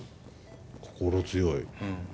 心強い。